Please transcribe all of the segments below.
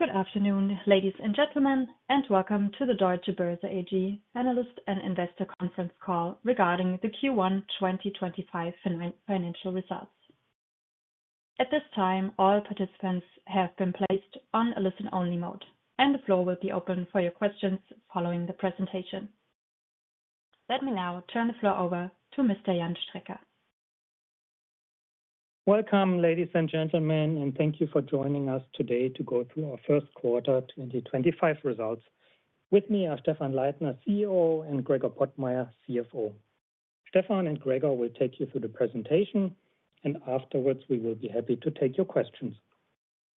Good afternoon, ladies and gentlemen, and welcome to the Deutsche Börse AG Analyst and Investor Conference Call regarding the Q1 2025 Financial Results. At this time, all participants have been placed on a listen-only mode, and the floor will be open for your questions following the presentation. Let me now turn the floor over to Mr. Jan Strecker. Welcome, ladies and gentlemen, and thank you for joining us today to go through our Q1 2025 results. With me are Stephan Leithner, CEO, and Gregor Pottmeyer, CFO. Stephan and Gregor will take you through the presentation, and afterwards we will be happy to take your questions.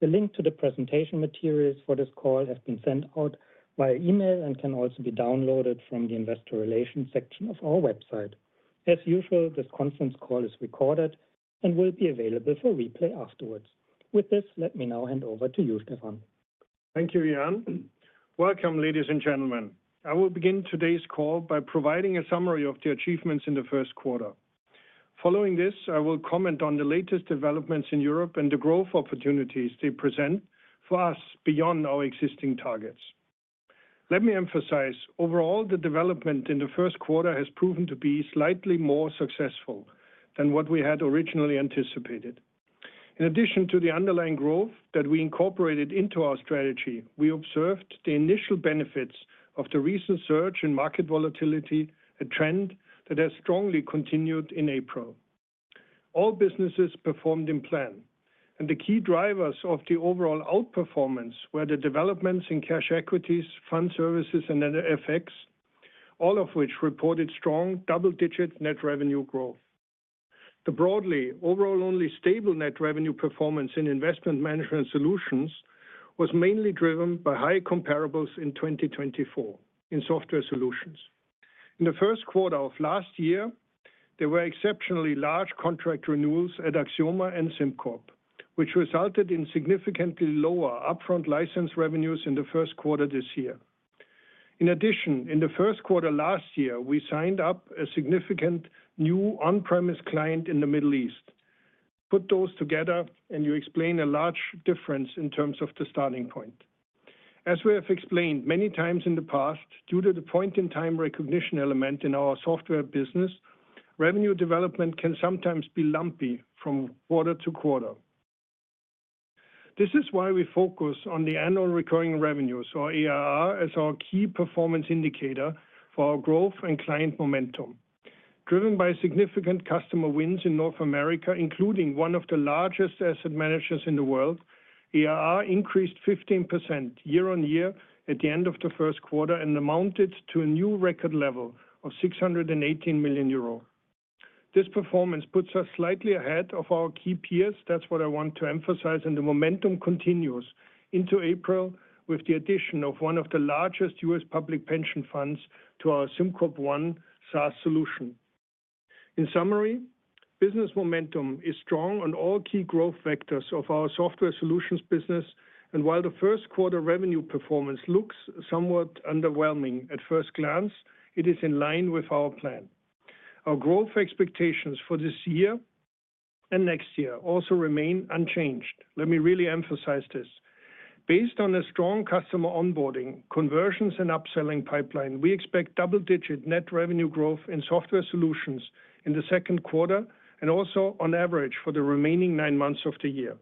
The link to the presentation materials for this call has been sent out via email and can also be downloaded from the investor relations section of our website. As usual, this conference call is recorded and will be available for replay afterwards. With this, let me now hand over to you, Stephan. Thank you, Jan. Welcome, ladies and gentlemen. I will begin today's call by providing a summary of the achievements in the Q1. Following this, I will comment on the latest developments in Europe and the growth opportunities they present for us beyond our existing targets. Let me emphasize, overall, the development in the Q1 has proven to be slightly more successful than what we had originally anticipated. In addition to the underlying growth that we incorporated into our strategy, we observed the initial benefits of the recent surge in market volatility, a trend that has strongly continued in April. All businesses performed in plan, and the key drivers of the overall outperformance were the developments in Cash Equities, Fund Services, and FX, all of which reported strong double-digit net revenue growth. The broadly, overall-only stable net revenue performance in Investment Management Solutions was mainly driven by high comparables in 2024 in software solutions. In the Q1 of last year, there were exceptionally large contract renewals at Axioma and SimCorp, which resulted in significantly lower upfront license revenues in the Q1 this year. In addition, in the Q1 last year, we signed up a significant new on-premise client in the Middle East. Put those together, and you explain a large difference in terms of the starting point. As we have explained many times in the past, due to the point-in-time recognition element in our software business, revenue development can sometimes be lumpy from quarter-to-quarter. This is why we focus on the annual recurring revenues, or ARR, as our key performance indicator for our growth and client momentum. Driven by significant customer wins in North America, including one of the largest asset managers in the world, ARR increased 15% year-on-year at the end of the Q1 and amounted to a new record level of 618 million euro. This performance puts us slightly ahead of our key peers. That is what I want to emphasize, and the momentum continues into April with the addition of one of the largest US public pension funds to our SimCorp One SaaS solution. In summary, business momentum is strong on all key growth vectors of our Software Solutions business, and while the Q1 revenue performance looks somewhat underwhelming at first glance, it is in line with our plan. Our growth expectations for this year and next year also remain unchanged. Let me really emphasize this: based on a strong customer onboarding, conversions, and upselling pipeline, we expect double-digit net revenue growth in Software Solutions in the Q2 and also on average for the remaining nine months of the year.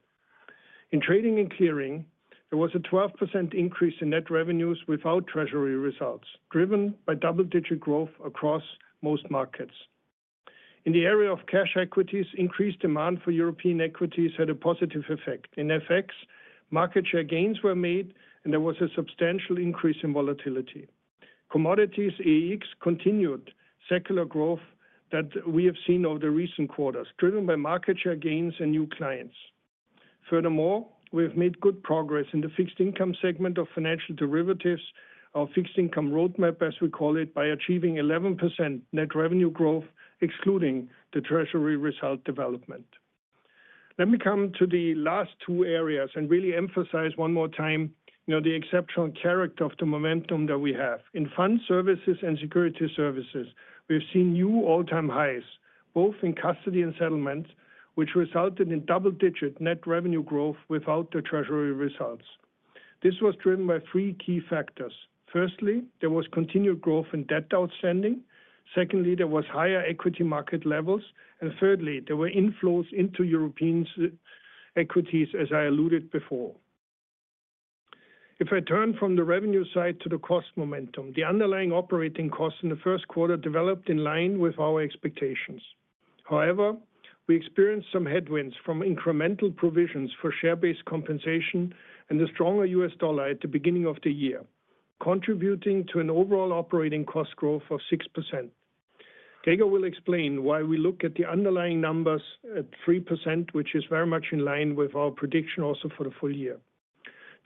In Trading & Clearing, there was a 12% increase in net revenues without treasury results, driven by double-digit growth across most markets. In the area of cash equities, increased demand for European equities had a positive effect. In FX, market share gains were made, and there was a substantial increase in volatility. Commodities at EEX continued secular growth that we have seen over the recent quarters, driven by market share gains and new clients. Furthermore, we have made good progress in the Fixed Income segment of Financial Derivatives, our fixed income roadmap, as we call it, by achieving 11% net revenue growth, excluding the treasury result development. Let me come to the last two areas and really emphasize one more time the exceptional character of the momentum that we have. In Fund Services and Securities Services, we have seen new all-time highs, both in custody and settlements, which resulted in double-digit net revenue growth without the treasury results. This was driven by three key factors. Firstly, there was continued growth in debt outstanding. Secondly, there were higher equity market levels. And thirdly, there were inflows into European equities, as I alluded before. If I turn from the revenue side to the cost momentum, the underlying operating cost in the Q1 developed in line with our expectations. However, we experienced some headwinds from incremental provisions for share-based compensation and the stronger US dollar at the beginning of the year, contributing to an overall operating cost growth of 6%. Gregor will explain why we look at the underlying numbers at 3%, which is very much in line with our prediction also for the full year.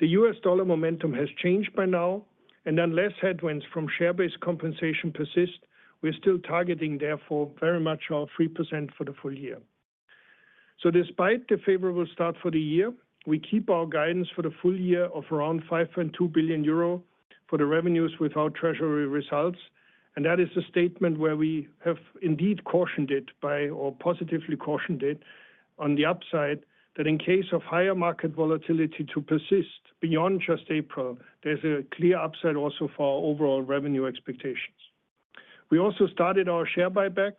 The US dollar momentum has changed by now, and unless headwinds from share-based compensation persist, we are still targeting, therefore, very much our 3% for the full year. Despite the favorable start for the year, we keep our guidance for the full year of around 5.2 billion euro for the revenues without treasury results, and that is a statement where we have indeed cautioned it by, or positively cautioned it on the upside, that in case of higher market volatility to persist beyond just April, there is a clear upside also for our overall revenue expectations. We also started our share buyback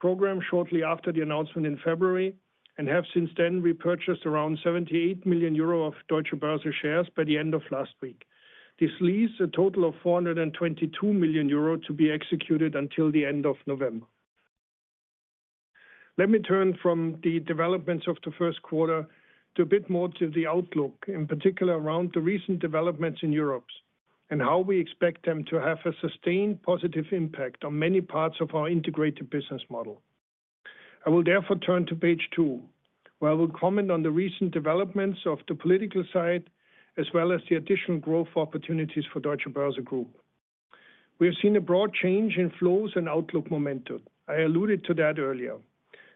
program shortly after the announcement in February and have since then repurchased around 78 million euro of Deutsche Börse shares by the end of last week. This leaves a total of 422 million euro to be executed until the end of November. Let me turn from the developments of the Q1 to a bit more to the outlook, in particular around the recent developments in Europe and how we expect them to have a sustained positive impact on many parts of our integrated business model. I will therefore turn to page two, where I will comment on the recent developments of the political side as well as the additional growth opportunities for Deutsche Börse Group. We have seen a broad change in flows and outlook momentum. I alluded to that earlier.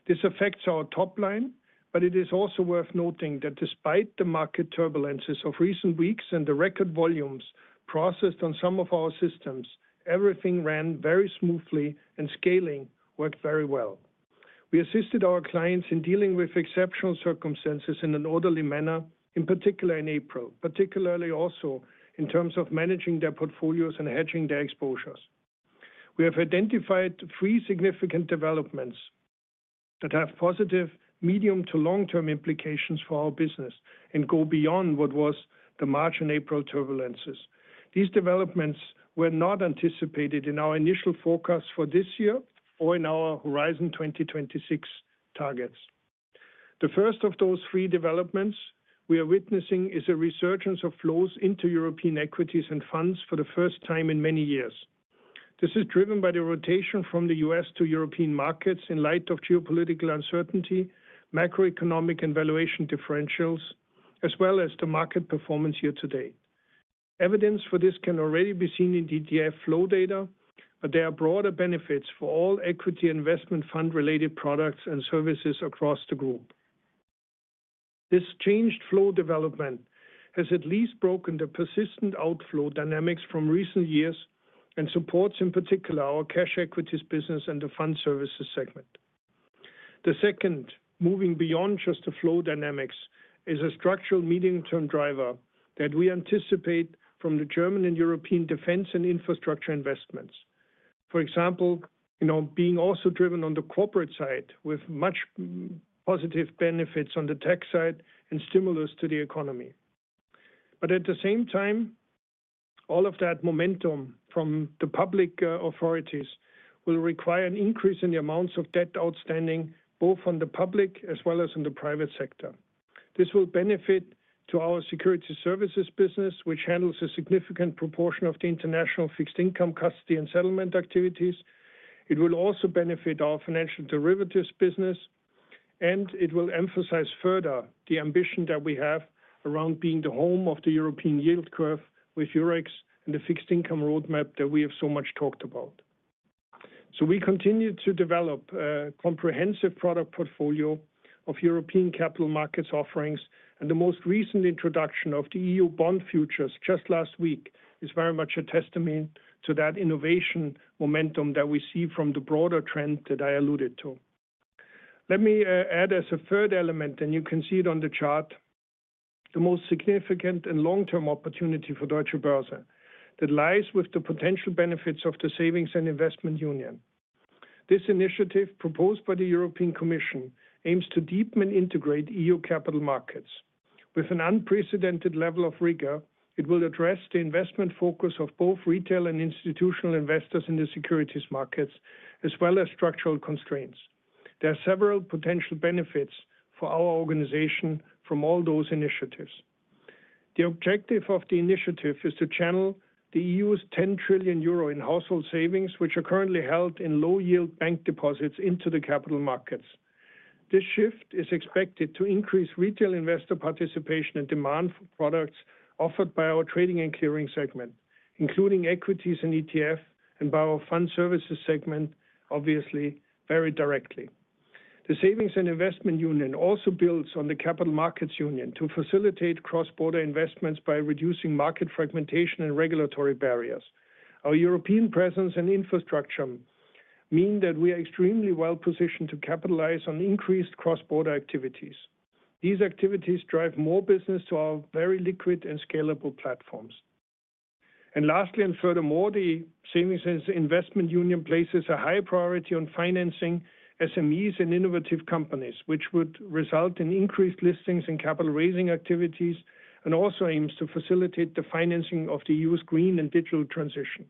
This affects our top line, but it is also worth noting that despite the market turbulences of recent weeks and the record volumes processed on some of our systems, everything ran very smoothly and scaling worked very well. We assisted our clients in dealing with exceptional circumstances in an orderly manner, in particular in April, particularly also in terms of managing their portfolios and hedging their exposures. We have identified three significant developments that have positive medium to long-term implications for our business and go beyond what was the March and April turbulences. These developments were not anticipated in our initial forecast for this year or in our Horizon 2026 targets. The first of those three developments we are witnessing is a resurgence of flows into European equities and funds for the first time in many years. This is driven by the rotation from the US to European markets in light of geopolitical uncertainty, macroeconomic and valuation differentials, as well as the market performance year-to-date. Evidence for this can already be seen in ETF flow data, but there are broader benefits for all equity investment fund-related products and services across the group. This changed flow development has at least broken the persistent outflow dynamics from recent years and supports, in particular, our Cash Equities business and the Fund Services segment. The second, moving beyond just the flow dynamics, is a structural medium-term driver that we anticipate from the German and European defense and infrastructure investments. For example, being also driven on the corporate side with much positive benefits on the tech side and stimulus to the economy. At the same time, all of that momentum from the public authorities will require an increase in the amounts of debt outstanding both on the public as well as in the private sector. This will benefit our Securities Services business, which handles a significant proportion of the international fixed income custody and settlement activities. It will also benefit our financial derivatives business, and it will emphasize further the ambition that we have around being the home of the European yield curve with Eurex and the fixed income roadmap that we have so much talked about. We continue to develop a comprehensive product portfolio of European capital markets offerings, and the most recent introduction of the EU bond futures just last week is very much a testament to that innovation momentum that we see from the broader trend that I alluded to. Let me add as a third element, and you can see it on the chart, the most significant and long-term opportunity for Deutsche Börse that lies with the potential benefits of the Savings and Investment Union. This initiative proposed by the European Commission aims to deepen and integrate EU capital markets. With an unprecedented level of rigor, it will address the investment focus of both retail and institutional investors in the securities markets, as well as structural constraints. There are several potential benefits for our organization from all those initiatives. The objective of the initiative is to channel the EU's 10 trillion euro in household savings, which are currently held in low-yield bank deposits, into the capital markets. This shift is expected to increase retail investor participation and demand for products offered by our Trading & Clearing segment, including equities and ETFs, and by our Fund Services segment, obviously very directly. The Savings and Investment Union also builds on the Capital Markets Union to facilitate cross-border investments by reducing market fragmentation and regulatory barriers. Our European presence and infrastructure mean that we are extremely well positioned to capitalize on increased cross-border activities. These activities drive more business to our very liquid and scalable platforms. Lastly, furthermore, the Savings and Investment Union places a high priority on financing SMEs and innovative companies, which would result in increased listings and capital-raising activities, and also aims to facilitate the financing of the EU's green and digital transition.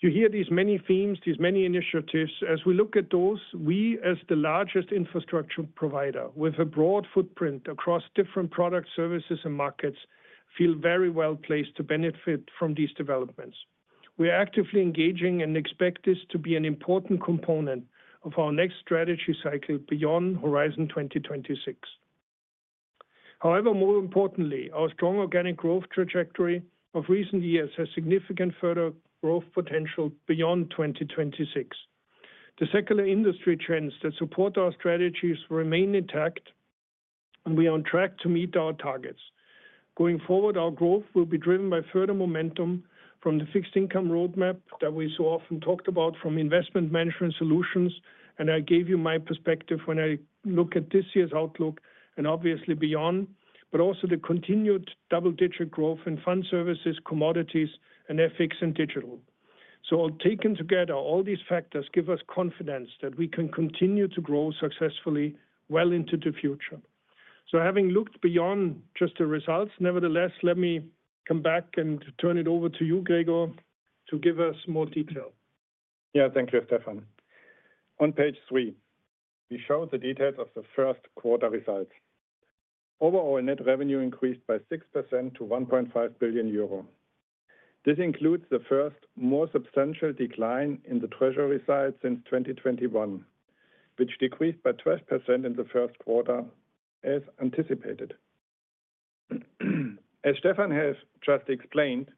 You hear these many themes, these many initiatives. As we look at those, we, as the largest infrastructure provider with a broad footprint across different product services and markets, feel very well placed to benefit from these developments. We are actively engaging and expect this to be an important component of our next strategy cycle beyond Horizon 2026. However, more importantly, our strong organic growth trajectory of recent years has significant further growth potential beyond 2026. The secular industry trends that support our strategies remain intact, and we are on track to meet our targets. Going forward, our growth will be driven by further momentum from the fixed income roadmap that we so often talked about from Investment Management Solutions, and I gave you my perspective when I look at this year's outlook and obviously beyond, but also the continued double-digit growth in Fund Services, Commodities, and FX and Digital. Taken together, all these factors give us confidence that we can continue to grow successfully well into the future. Having looked beyond just the results, nevertheless, let me come back and turn it over to you, Gregor, to give us more detail. Yeah, thank you, Stephan. On page three, we show the details of the Q1 results. Overall net revenue increased by 6% to 1.5 billion euro. This includes the first more substantial decline in the treasury side since 2021, which decreased by 12% in the Q1, as anticipated. As Stephan has just explained,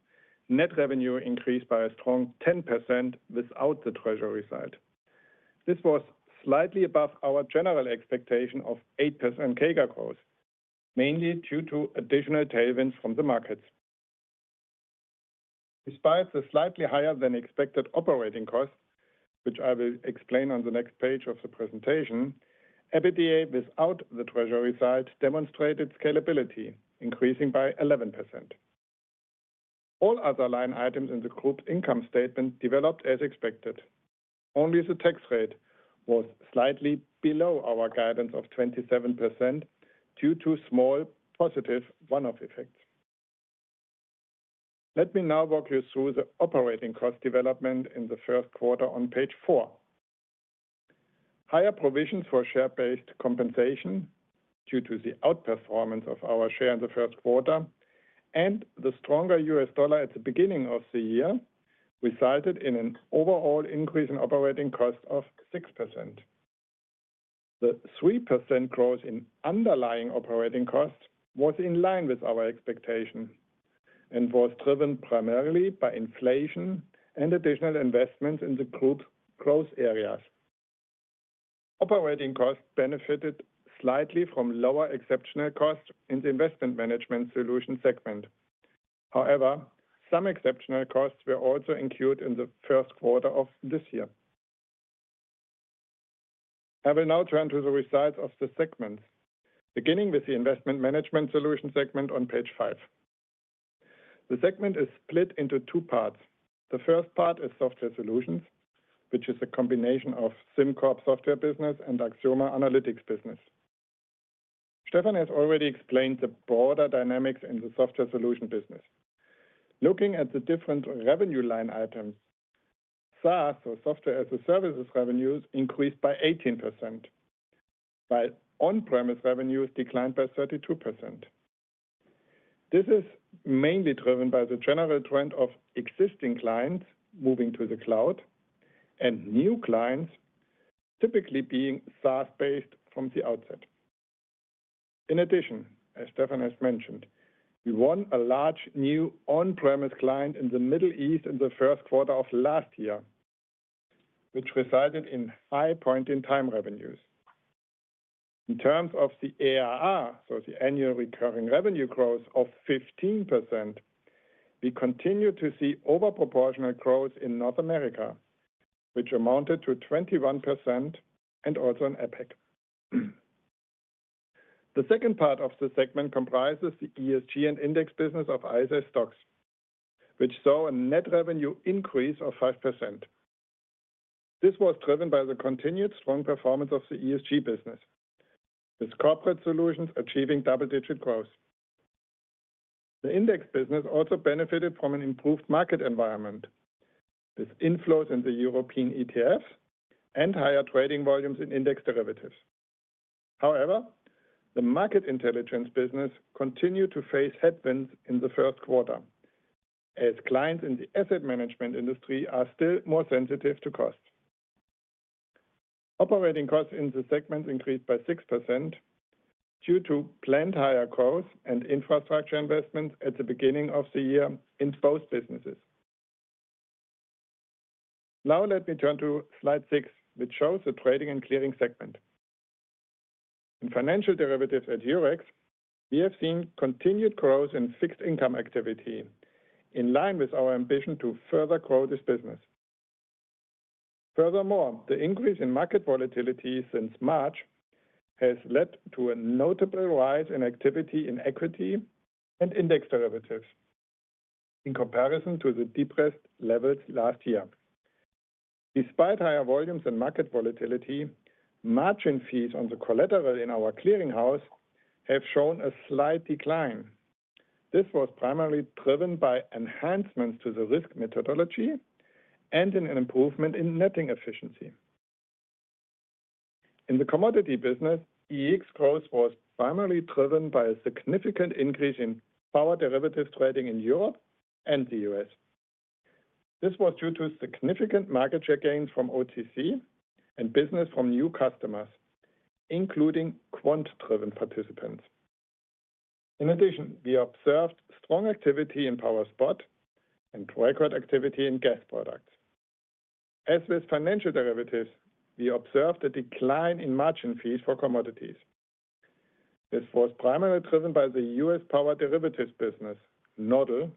net revenue increased by a strong 10% without the treasury side. This was slightly above our general expectation of 8% CAGR growth, mainly due to additional tailwinds from the markets. Despite the slightly higher than expected operating cost, which I will explain on the next page of the presentation, EBITDA without the treasury side demonstrated scalability, increasing by 11%. All other line items in the group's income statement developed as expected. Only the tax rate was slightly below our guidance of 27% due to small positive one-off effects. Let me now walk you through the operating cost development in the Q1 on page four. Higher provisions for share-based compensation due to the outperformance of our share in the Q1 and the stronger US dollar at the beginning of the year resulted in an overall increase in operating cost of 6%. The 3% growth in underlying operating cost was in line with our expectation and was driven primarily by inflation and additional investments in the group's growth areas. Operating cost benefited slightly from lower exceptional costs in the Investment Management Solution segment. However, some exceptional costs were also incurred in the Q1 of this year. I will now turn to the results of the segments, beginning with the Investment Management Solution segment on page five. The segment is split into two parts. The first part is Software Solution, which is a combination of SimCorp software business and Axioma analytics business. Stephan has already explained the broader dynamics in the software solution business. Looking at the different revenue line items, SaaS, so software as a service, revenues increased by 18%, while on-premise revenues declined by 32%. This is mainly driven by the general trend of existing clients moving to the cloud and new clients typically being SaaS-based from the outset. In addition, as Stephan has mentioned, we won a large new on-premise client in the Middle East in the Q1 of last year, which resulted in high point-in-time revenues. In terms of the ARR, so the Annual Recurring Revenue Growth of 15%, we continue to see overproportional growth in North America, which amounted to 21% and also in Asia-Pacific. The second part of the segment comprises the ESG and index business of ISS and STOXX, which saw a net revenue increase of 5%. This was driven by the continued strong performance of the ESG business, with corporate solutions achieving double-digit growth. The index business also benefited from an improved market environment, with inflows in the European ETFs and higher trading volumes in index derivatives. However, the Market Intelligence business continued to face headwinds in the Q1, as clients in the asset management industry are still more sensitive to costs. Operating costs in the segments increased by 6% due to planned higher growth and infrastructure investments at the beginning of the year in both businesses. Now let me turn to slide six, which shows the Trading & Clearing segment. In financial derivatives at Eurex, we have seen continued growth in fixed income activity, in line with our ambition to further grow this business. Furthermore, the increase in market volatility since March has led to a notable rise in activity in equity and index derivatives in comparison to the depressed levels last year. Despite higher volumes and market volatility, margin fees on the collateral in our clearing house have shown a slight decline. This was primarily driven by enhancements to the risk methodology and an improvement in netting efficiency. In the commodity business, EEX growth was primarily driven by a significant increase in power derivatives trading in Europe and the US. This was due to significant market share gains from OTC and business from new customers, including quant-driven participants. In addition, we observed strong activity in power spot and record activity in gas products. As with financial derivatives, we observed a decline in margin fees for commodities. This was primarily driven by the US power derivatives business, Nodal,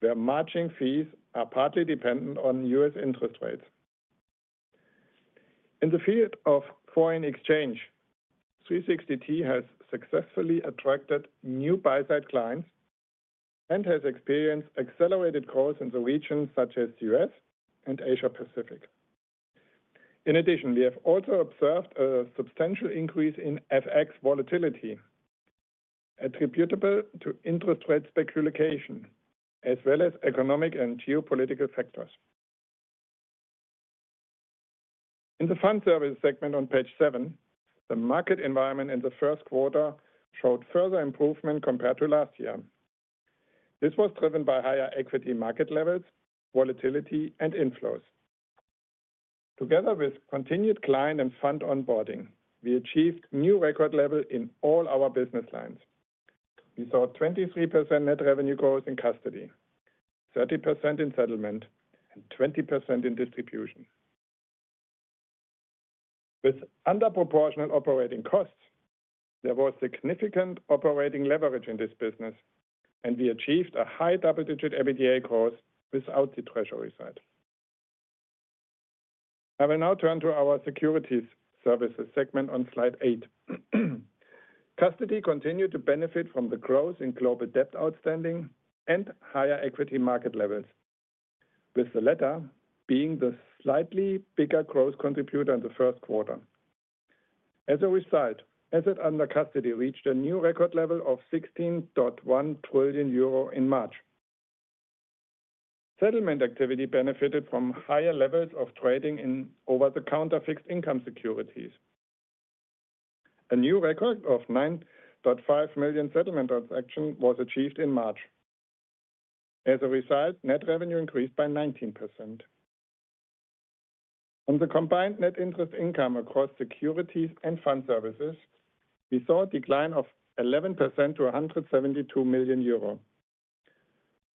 where margin fees are partly dependent on US interest rates. In the field of foreign exchange, 360T has successfully attracted new buy-side clients and has experienced accelerated growth in regions such as the US and Asia-Pacific. In addition, we have also observed a substantial increase in FX volatility attributable to interest rate speculation, as well as economic and geopolitical factors. In the fund services segment on page seven, the market environment in the Q1 showed further improvement compared to last year. This was driven by higher equity market levels, volatility, and inflows. Together with continued client and fund onboarding, we achieved new record levels in all our business lines. We saw 23% net revenue growth in custody, 30% in settlement, and 20% in distribution. With under-proportional operating costs, there was significant operating leverage in this business, and we achieved a high double-digit EBITDA growth without the treasury side. I will now turn to our Securities Services segment on slide eight. Custody continued to benefit from the growth in global debt outstanding and higher equity market levels, with the latter being the slightly bigger growth contributor in the Q1. As a result, asset under custody reached a new record level of 16.1 trillion euro in March. Settlement activity benefited from higher levels of trading in over-the-counter fixed income securities. A new record of 9.5 million settlement transactions was achieved in March. As a result, net revenue increased by 19%. On the combined net interest income across securities and fund services, we saw a decline of 11% to 172 million euro.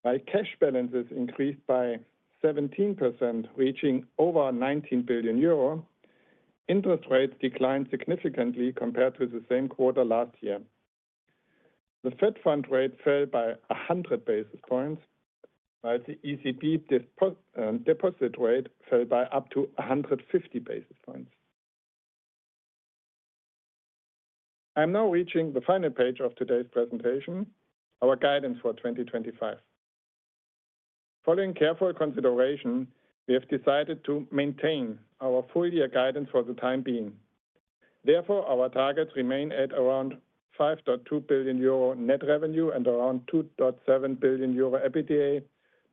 While cash balances increased by 17%, reaching over 19 billion euro, interest rates declined significantly compared to the same quarter last year. The Fed fund rate fell by 100 basis points, while the ECB deposit rate fell by up to 150 basis points. I am now reaching the final page of today's presentation, our guidance for 2025. Following careful consideration, we have decided to maintain our full-year guidance for the time being. Therefore, our targets remain at around 5.2 billion euro net revenue and around 2.7 billion euro EBITDA,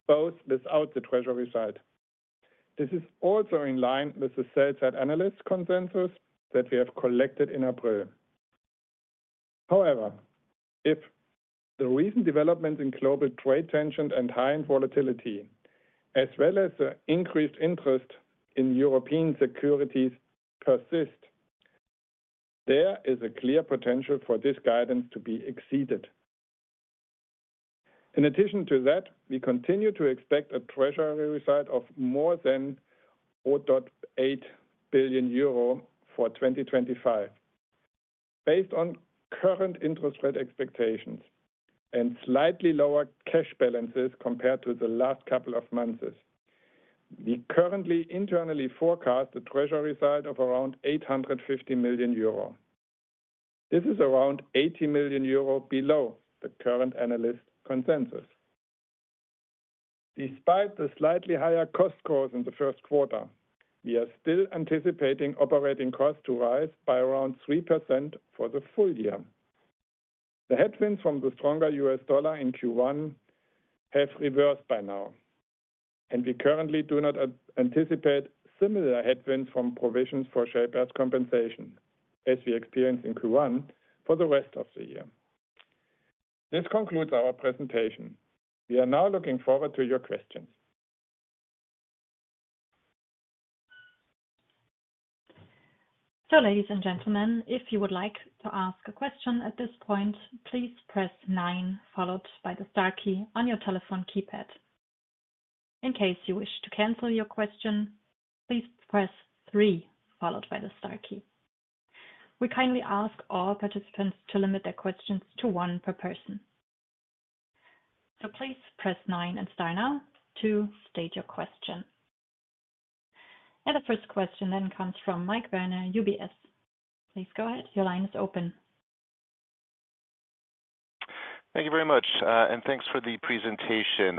both without the treasury side. This is also in line with the sell-side analysts' consensus that we have collected in April. However, if the recent developments in global trade tension and high volatility, as well as the increased interest in European securities, persist, there is a clear potential for this guidance to be exceeded. In addition to that, we continue to expect a treasury side of more than 4.8 billion euro for 2025. Based on current interest rate expectations and slightly lower cash balances compared to the last couple of months, we currently internally forecast a treasury side of around 850 million euro. This is around 80 million euro below the current analyst consensus. Despite the slightly higher cost growth in the Q1, we are still anticipating operating costs to rise by around 3% for the full year. The headwinds from the stronger US dollar in Q1 have reversed by now, and we currently do not anticipate similar headwinds from provisions for share-based compensation, as we experienced in Q1 for the rest of the year. This concludes our presentation. We are now looking forward to your questions. Ladies and gentlemen, if you would like to ask a question at this point, please press nine, followed by the star key on your telephone keypad. In case you wish to cancel your question, please press three, followed by the star key. We kindly ask all participants to limit their questions to one per person. Please press nine and star now to state your question. The first question then comes from Mike Werner, UBS. Please go ahead. Your line is open. Thank you very much, and thanks for the presentation.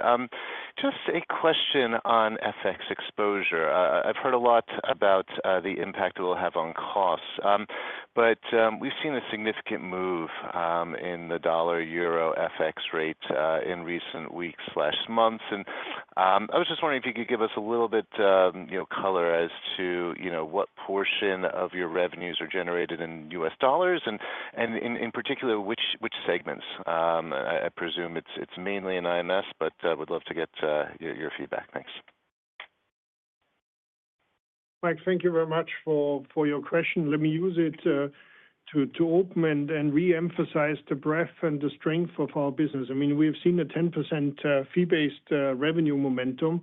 Just a question on FX exposure. I've heard a lot about the impact it will have on costs, but we've seen a significant move in the dollar/euro FX rate in recent weeks/months. I was just wondering if you could give us a little bit of color as to what portion of your revenues are generated in US dollars, and in particular, which segments? I presume it's mainly in IMS, but I would love to get your feedback. Thanks. Mike, thank you very much for your question. Let me use it to open and re-emphasize the breadth and the strength of our business. I mean, we've seen a 10% fee-based revenue momentum.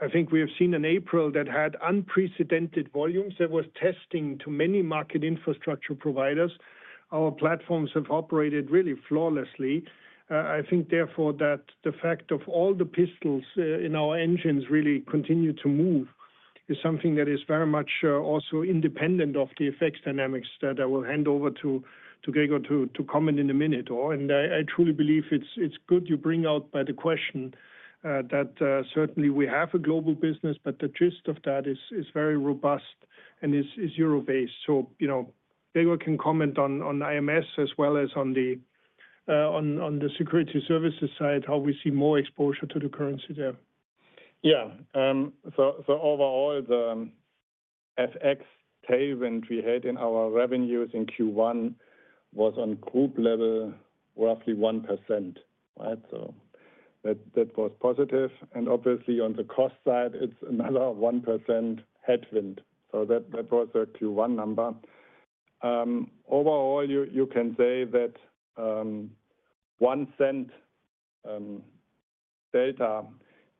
I think we have seen in April that had unprecedented volumes that were testing to many market infrastructure providers. Our platforms have operated really flawlessly. I think, therefore, that the fact of all the pistons in our engines really continuing to move is something that is very much also independent of the effects dynamics that I will hand over to Gregor to comment in a minute. I truly believe it's good you bring out by the question that certainly we have a global business, but the gist of that is very robust and is euro-based. Gregor can comment on IMS as well as on the Securities Services side, how we see more exposure to the currency there. Yeah. Overall, the FX headwind we had in our revenues in Q1 was on group level roughly 1%. Right? That was positive. Obviously, on the cost side, it's another 1% headwind. That was a Q1 number. Overall, you can say that one-cent delta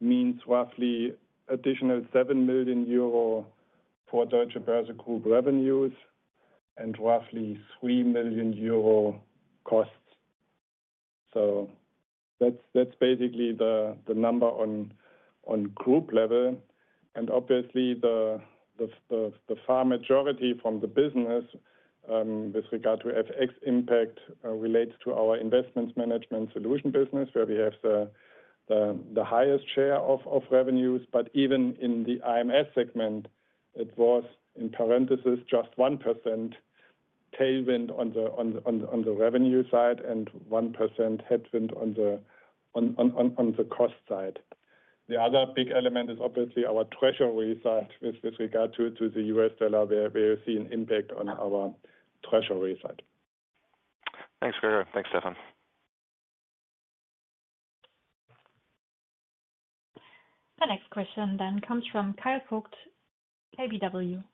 means roughly additional 7 million euro for Deutsche Börse Group revenues and roughly 3 million euro costs. That's basically the number on Group level. Obviously, the far majority from the business with regard to FX impact relates to our investments management solution business, where we have the highest share of revenues. Even in the IMS segment, it was, in parentheses, just 1% headwind on the revenue side and 1% headwind on the cost side. The other big element is obviously our treasury side with regard to the US dollar, where we have seen impact on our treasury side. Thanks, Gregor. Thanks, Stephan. The next question then comes from Kyle Voigt, KBW.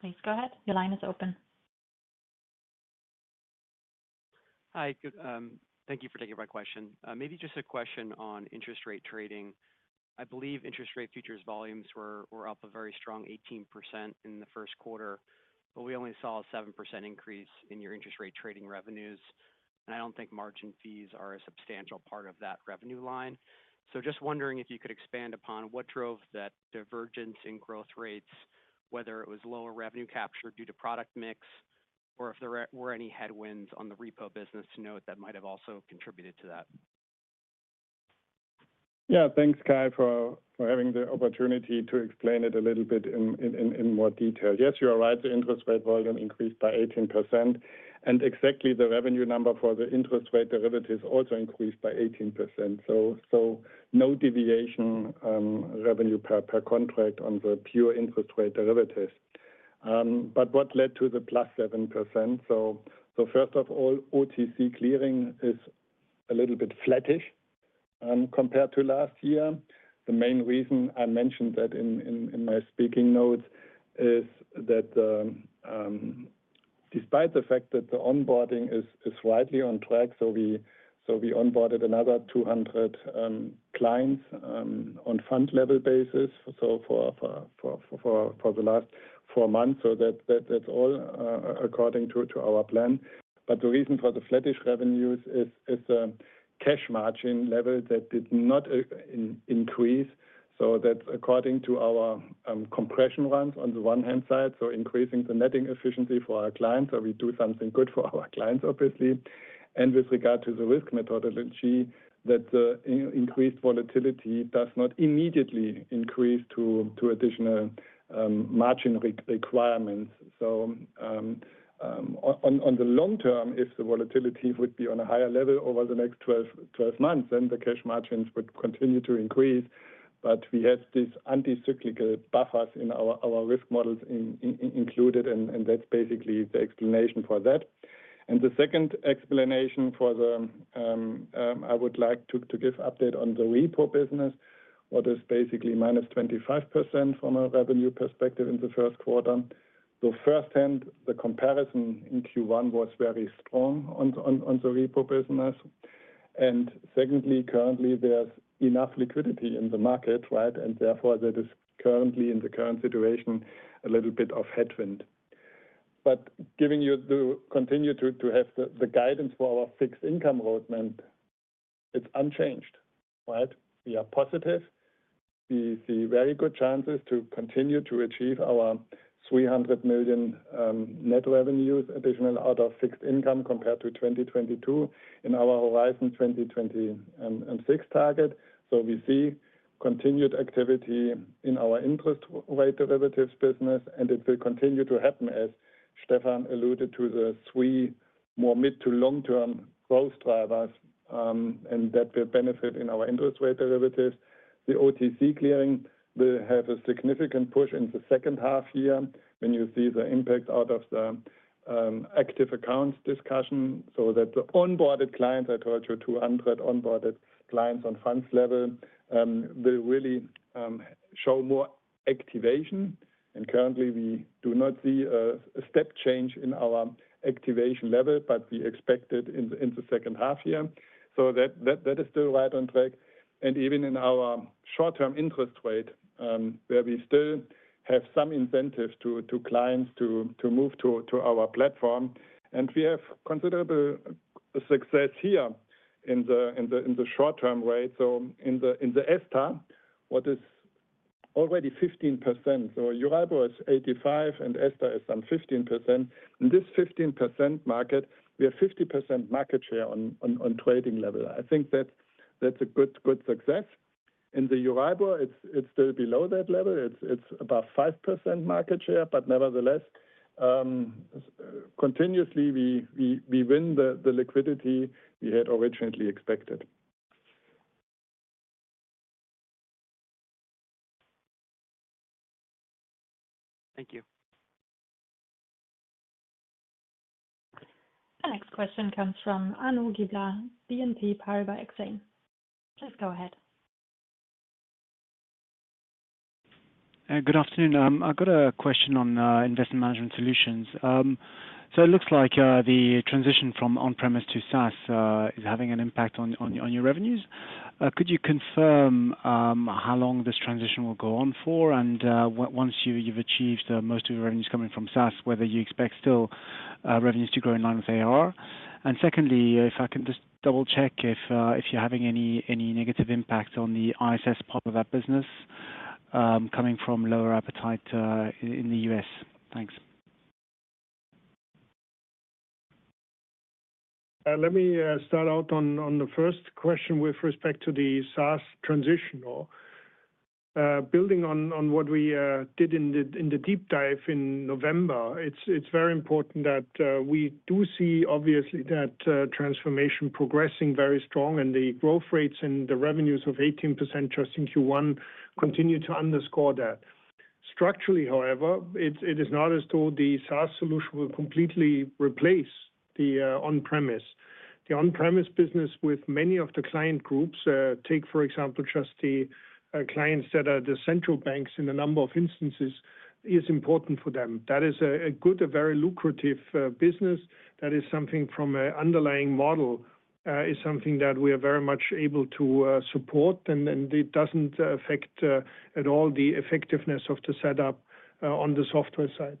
Please go ahead. Your line is open. Hi. Thank you for taking my question. Maybe just a question on interest rate trading. I believe interest rate futures volumes were up a very strong 18% in the Q1, but we only saw a 7% increase in your interest rate trading revenues. I don't think margin fees are a substantial part of that revenue line. Just wondering if you could expand upon what drove that divergence in growth rates, whether it was lower revenue capture due to product mix or if there were any headwinds on the repo business to note that might have also contributed to that. Yeah. Thanks, Kyle, for having the opportunity to explain it a little bit in more detail. Yes, you are right. The interest rate volume increased by 18%. Exactly, the revenue number for the interest rate derivatives also increased by 18%. No deviation in revenue per contract on the pure interest rate derivatives. What led to the plus 7%? First of all, OTC clearing is a little bit flattish compared to last year. The main reason I mentioned that in my speaking notes is that despite the fact that the onboarding is rightly on track, we onboarded another 200 clients on fund-level basis for the last four months. That is all according to our plan. The reason for the flattish revenues is the cash margin level that did not increase. That is according to our compression runs on the one hand side, increasing the netting efficiency for our clients. We do something good for our clients, obviously. With regard to the risk methodology, the increased volatility does not immediately increase to additional margin requirements. In the long term, if the volatility would be on a higher level over the next 12 months, then the cash margins would continue to increase. We have these anti-cyclical buffers in our risk models included, and that's basically the explanation for that. The second explanation I would like to give is an update on the repo business, which is basically minus 25% from a revenue perspective in the Q1. Firsthand, the comparison in Q1 was very strong on the repo business. Currently, there is enough liquidity in the market, right? Therefore, there is currently, in the current situation, a little bit of headwind. Giving you to continue to have the guidance for our fixed income roadmap, it's unchanged, right? We are positive. We see very good chances to continue to achieve our 300 million net revenues additional out of fixed income compared to 2022 in our Horizon 2026 target. We see continued activity in our interest rate derivatives business, and it will continue to happen, as Stephan alluded to, the three more mid- to long-term growth drivers, and that will benefit in our interest rate derivatives. The OTC clearing will have a significant push in the second half year when you see the impact out of the active accounts discussion. That the onboarded clients, I told you, 200 onboarded clients on funds level will really show more activation. Currently, we do not see a step change in our activation level, but we expect it in the second half year. That is still right on track. Even in our short-term interest rate, where we still have some incentive to clients to move to our platform, we have considerable success here in the short-term rate. In the ESTR, what is already 15%. Euribor is 85%, and ESTR is some 15%. In this 15% market, we have 50% market share on trading level. I think that's a good success. In the Euribor, it's still below that level. It's about 5% market share. Nevertheless, continuously, we win the liquidity we had originally expected. Thank you. The next question comes from Arnaud Giblat, BNP Paribas Exane. Please go ahead. Good afternoon. I've got a question on Investment Management Solutions. It looks like the transition from on-premise to SaaS is having an impact on your revenues. Could you confirm how long this transition will go on for? Once you've achieved most of your revenues coming from SaaS, do you expect still revenues to grow in line with ARR? Secondly, if I can just double-check if you're having any negative impact on the ISS part of that business coming from lower appetite in the US? Thanks. Let me start out on the first question with respect to the SaaS transition. Building on what we did in the deep dive in November, it's very important that we do see, obviously, that transformation progressing very strong. The growth rates and the revenues of 18% just in Q1 continue to underscore that. Structurally, however, it is not as though the SaaS solution will completely replace the on-premise. The on-premise business with many of the client groups, take, for example, just the clients that are the central banks in a number of instances, is important for them. That is a good, a very lucrative business. That is something from an underlying model is something that we are very much able to support, and it does not affect at all the effectiveness of the setup on the software side.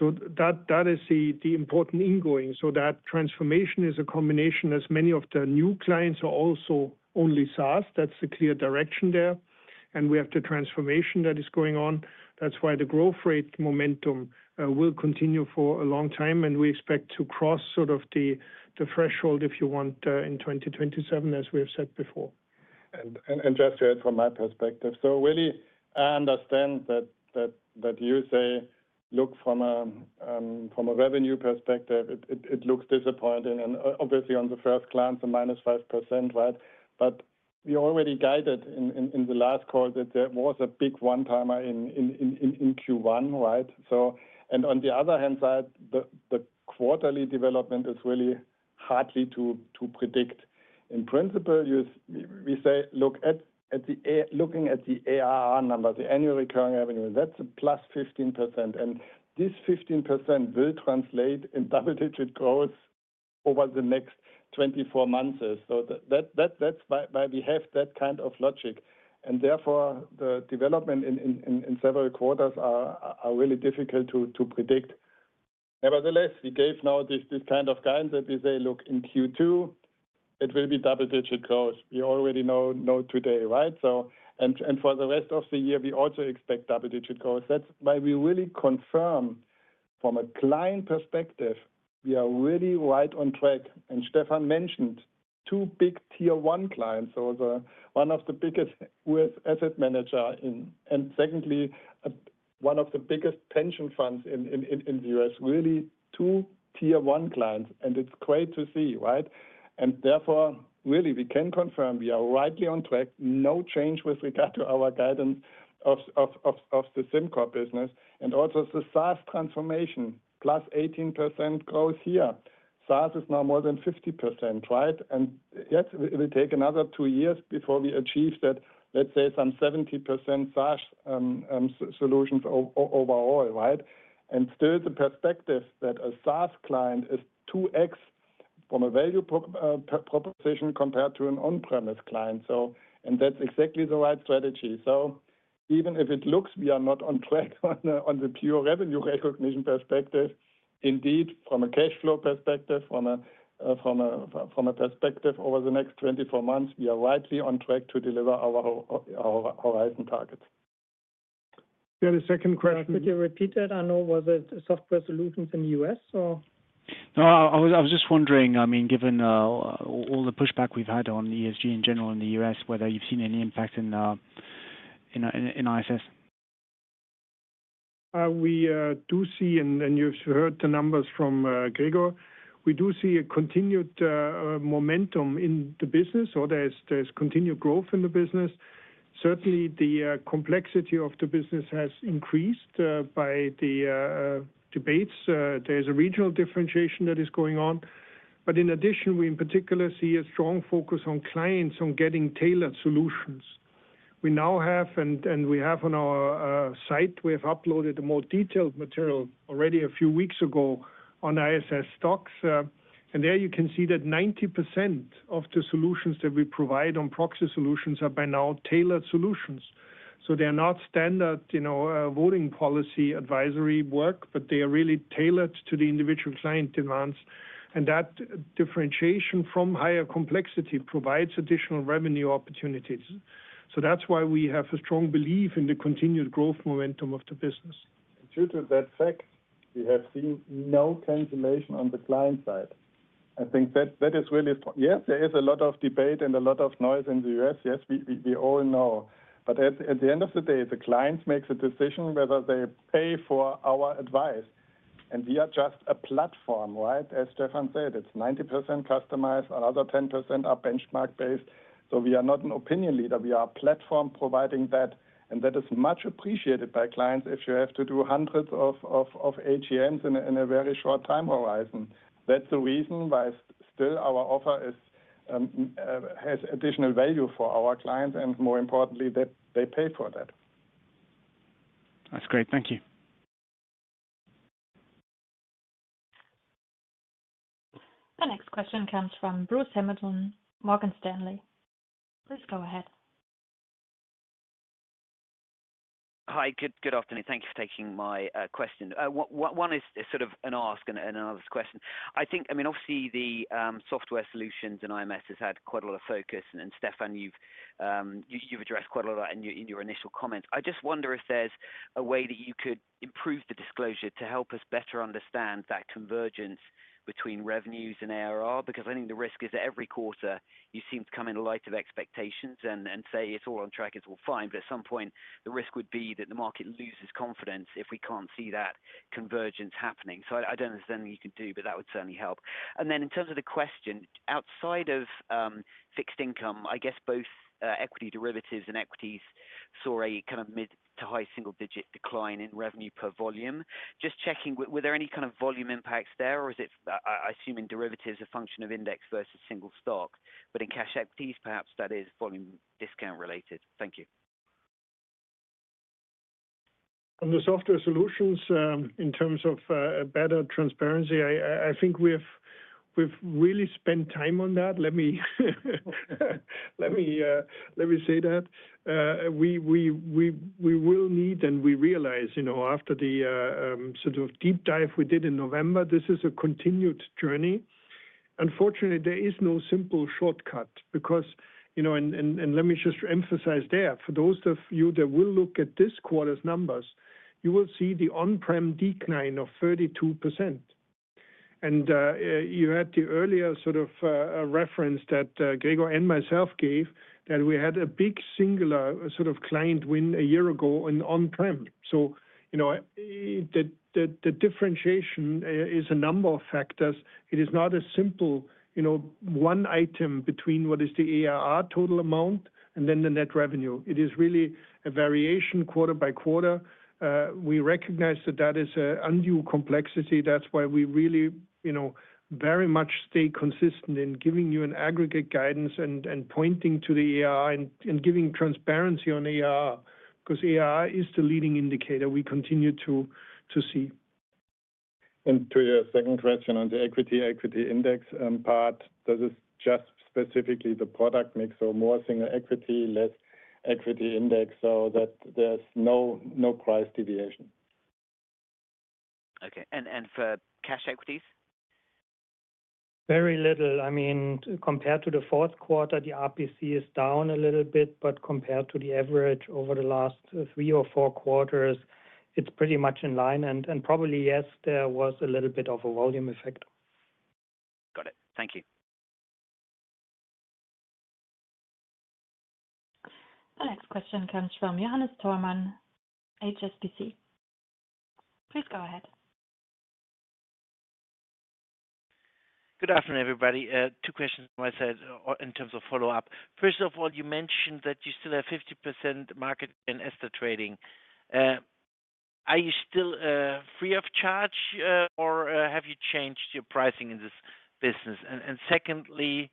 That is the important ingoing. That transformation is a combination as many of the new clients are also only SaaS. That is the clear direction there. We have the transformation that is going on. That is why the growth rate momentum will continue for a long time, and we expect to cross sort of the threshold, if you want, in 2027, as we have said before. Just to add from my perspective, I understand that you say, look, from a revenue perspective, it looks disappointing. Obviously, on the first glance, a minus 5%, right? We already guided in the last call that there was a big one-timer in Q1, right? On the other hand, the quarterly development is really hardly to predict. In principle, we say, look, looking at the ARR number, the annual recurring revenue, that's a plus 15%. This 15% will translate in double-digit growth over the next 24 months. That's why we have that kind of logic. Therefore, the development in several quarters is really difficult to predict. Nevertheless, we gave now this kind of guidance that we say, look, in Q2, it will be double-digit growth. We already know today, right? For the rest of the year, we also expect double-digit growth. That's why we really confirm from a client perspective, we are really right on track. Stephan mentioned two big Tier 1 clients. One of the biggest US asset managers and, secondly, one of the biggest pension funds in the US, really two Tier 1 clients. It is great to see, right? Therefore, really, we can confirm we are rightly on track. No change with regard to our guidance of the SimCorp business. Also, the SaaS transformation, plus 18% growth here. SaaS is now more than 50%, right? Yet, it will take another two years before we achieve that, let's say, some 70% SaaS solutions overall, right? Still, the perspective that a SaaS client is 2x from a value proposition compared to an on-premise client. That is exactly the right strategy. Even if it looks we are not on track on the pure revenue recognition perspective, indeed, from a cash flow perspective, from a perspective over the next 24 months, we are rightly on track to deliver our Horizon targets. Yeah. The second question, could you repeat that? I know, was it software solutions in the US or? No, I was just wondering, I mean, given all the pushback we've had on ESG in general in the U.S., whether you've seen any impact in ISS? We do see, and you've heard the numbers from Gregor. We do see a continued momentum in the business, or there's continued growth in the business. Certainly, the complexity of the business has increased by the debates. There's a regional differentiation that is going on. In addition, we in particular see a strong focus on clients on getting tailored solutions. We now have, and we have on our site, we have uploaded a more detailed material already a few weeks ago on ISS STOXX. There you can see that 90% of the solutions that we provide on proxy solutions are by now tailored solutions. They are not standard voting policy advisory work, but they are really tailored to the individual client demands. That differentiation from higher complexity provides additional revenue opportunities. That is why we have a strong belief in the continued growth momentum of the business. Due to that fact, we have seen no cancellation on the client side. I think that is really, yes, there is a lot of debate and a lot of noise in the U.S., yes, we all know. At the end of the day, the client makes a decision whether they pay for our advice. We are just a platform, right? As Stephan said, it is 90% customized, another 10% are benchmark-based. We are not an opinion leader. We are a platform providing that. That is much appreciated by clients if you have to do hundreds of AGMs in a very short time horizon. That is the reason why still our offer has additional value for our clients. More importantly, they pay for that. That is great. Thank you. The next question comes from Bruce Hamilton, Morgan Stanley. Please go ahead. Hi, good afternoon. Thank you for taking my question. One is sort of an ask and another is a question. I think, I mean, obviously, the Software Solutions and IMS has had quite a lot of focus. Stephan, you have addressed quite a lot in your initial comments. I just wonder if there is a way that you could improve the disclosure to help us better understand that convergence between revenues and ARR? Because I think the risk is that every quarter, you seem to come in light of expectations and say it's all on track, it's all fine. At some point, the risk would be that the market loses confidence if we can't see that convergence happening. I don't understand what you can do, but that would certainly help. In terms of the question, outside of fixed income, I guess both equity derivatives and equities saw a kind of mid to high single-digit decline in revenue per volume. Just checking, were there any kind of volume impacts there? Or is it, I assume, in derivatives, a function of index versus single stock? In cash equities, perhaps that is volume discount related. Thank you. On the Software Solutions, in terms of better transparency, I think we've really spent time on that. Let me say that. We will need, and we realize after the sort of deep dive we did in November, this is a continued journey. Unfortunately, there is no simple shortcut because, and let me just emphasize there, for those of you that will look at this quarter's numbers, you will see the on-prem decline of 32%. You had the earlier sort of reference that Gregor and myself gave that we had a big singular sort of client win a year ago in on-prem. The differentiation is a number of factors. It is not a simple one item between what is the ARR total amount and then the net revenue. It is really a variation quarter-by-quarter. We recognize that that is an undue complexity. That's why we really very much stay consistent in giving you an aggregate guidance and pointing to the ARR and giving transparency on ARR, because ARR is the leading indicator we continue to see. To your second question on the equity index part, does it just specifically the product mix or more single equity, less equity index so that there's no price deviation? Okay. And for cash equities? Very little. I mean, compared to the Q4, the RPC is down a little bit, but compared to the average over the last three or four quarters, it's pretty much in line. Probably, yes, there was a little bit of a volume effect. Got it. Thank you. The next question comes from Johannes Thormann, HSBC. Please go ahead. Good afternoon, everybody. Two questions, as I said, in terms of follow-up. First of all, you mentioned that you still have 50% market in ESTR trading. Are you still free of charge or have you changed your pricing in this business? Secondly,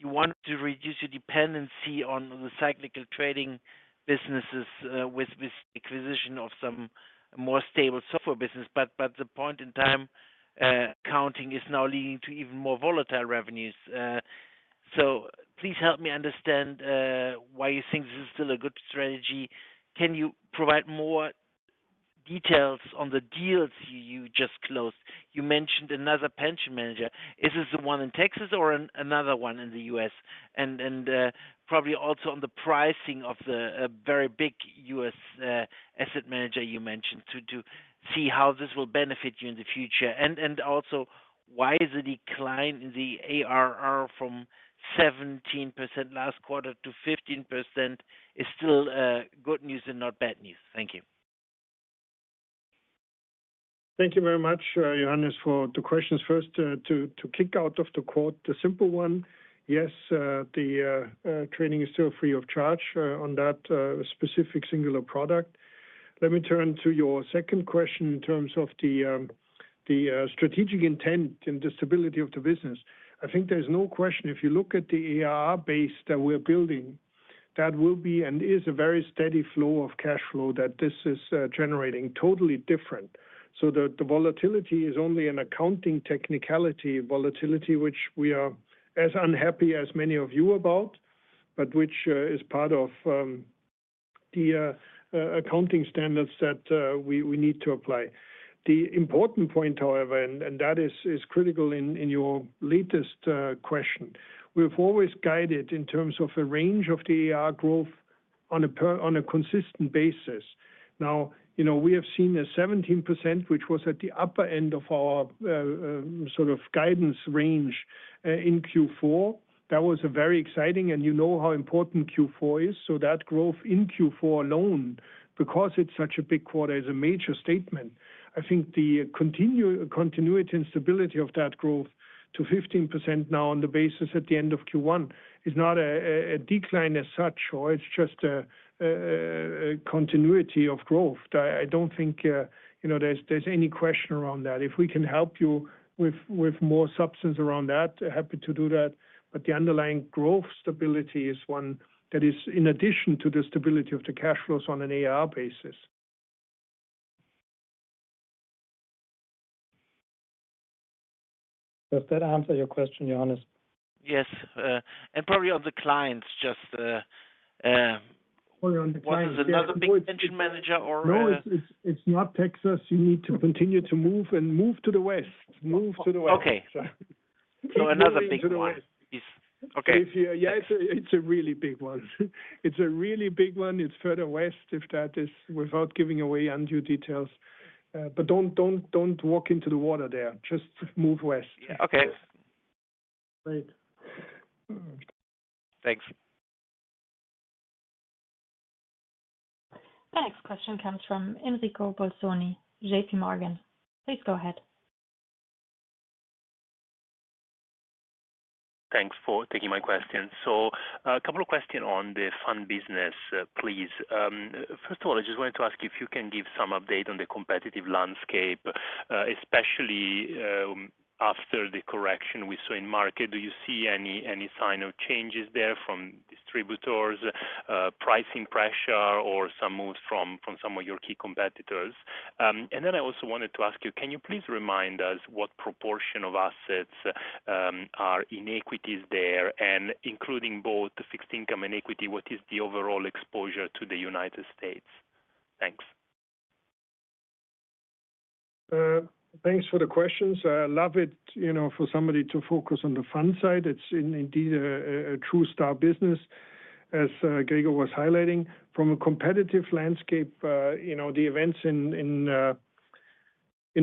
you want to reduce your dependency on the cyclical trading businesses with the acquisition of some more stable software business, but the point-in-time accounting is now leading to even more volatile revenues. Please help me understand why you think this is still a good strategy. Can you provide more details on the deals you just closed? You mentioned another pension manager. Is this the one in Texas or another one in the US? Probably also on the pricing of the very big US asset manager you mentioned to see how this will benefit you in the future. Also, why is the decline in the ARR from 17% last quarter to 15% still good news and not bad news? Thank you. Thank you very much, Johannes, for the questions. First, to kick out of the quote, the simple one, yes, the training is still free of charge on that specific singular product. Let me turn to your second question in terms of the strategic intent and the stability of the business. I think there is no question if you look at the ARR base that we are building, that will be and is a very steady flow of cash flow that this is generating, totally different. The volatility is only an accounting technicality volatility, which we are as unhappy as many of you about, but which is part of the accounting standards that we need to apply. The important point, however, and that is critical in your latest question, we've always guided in terms of the range of the ARR growth on a consistent basis. Now, we have seen 17%, which was at the upper end of our sort of guidance range in Q4. That was very exciting. You know how important Q4 is. That growth in Q4 alone, because it's such a big quarter, is a major statement. I think the continuity and stability of that growth to 15% now on the basis at the end of Q1 is not a decline as such, or it's just a continuity of growth. I don't think there's any question around that. If we can help you with more substance around that, happy to do that. But the underlying growth stability is one that is in addition to the stability of the cash flows on an ARR basis. Does that answer your question, Johannes? Yes. And probably on the clients, just. Or on the clients. What is another big pension manager or? No, it's not Texas. You need to continue to move and move to the west. Move to the west. Okay. So, another big one. Okay. Yeah, it's a really big one. It's a really big one. It's further west if that is without giving away undue details. But don't walk into the water there. Just move west. Okay. Great. Thanks. The next question comes from Enrico Bolzoni, JPMorgan. Please go ahead. Thanks for taking my question. So, a couple of questions on the Fund Business, please. First of all, I just wanted to ask you if you can give some update on the competitive landscape, especially after the correction we saw in market. Do you see any sign of changes there from distributors, pricing pressure, or some moves from some of your key competitors? I also wanted to ask you, can you please remind us what proportion of assets are in equities there? Including both fixed income and equity, what is the overall exposure to the United States? Thanks. Thanks for the questions. I love it for somebody to focus on the fund side. It's indeed a true star business, as Gregor was highlighting. From a competitive landscape, the events in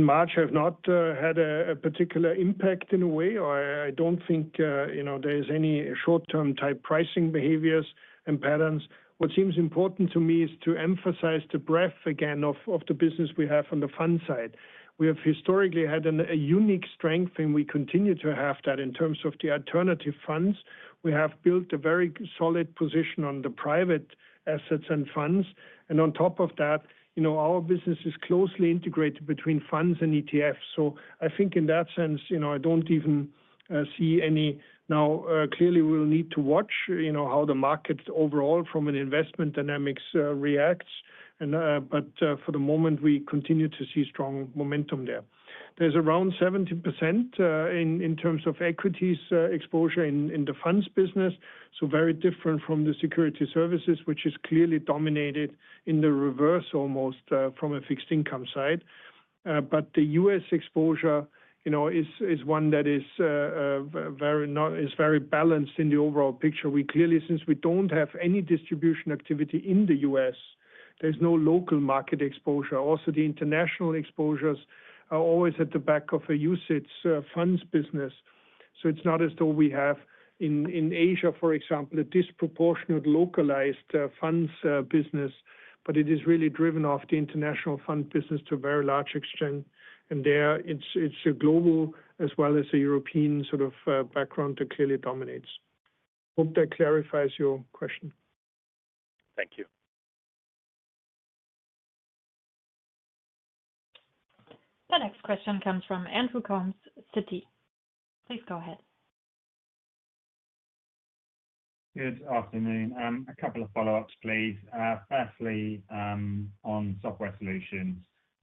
March have not had a particular impact in a way. I don't think there is any short-term type pricing behaviors and patterns. What seems important to me is to emphasize the breadth again of the business we have on the fund side. We have historically had a unique strength, and we continue to have that in terms of the alternative funds. We have built a very solid position on the private assets and funds. On top of that, our business is closely integrated between funds and ETFs. I think in that sense, I do not even see any now. Clearly, we will need to watch how the market overall from an investment dynamics reacts. For the moment, we continue to see strong momentum there. There is around 70% in terms of equities exposure in the funds business. Very different from the Securities Services, which is clearly dominated in the reverse almost from a fixed income side. The US exposure is one that is very balanced in the overall picture. We clearly, since we do not have any distribution activity in the U.S., there is no local market exposure. Also, the international exposures are always at the back of a usage funds business. It is not as though we have in Asia, for example, a disproportionate localized funds business, but it is really driven off the international fund business to a very large extent. There, it is a global as well as a European sort of background that clearly dominates. Hope that clarifies your question. Thank you. The next question comes from Andrew Coombs, Citi. Please go ahead. Good afternoon. A couple of follow-ups, please. Firstly, on Software Solutions,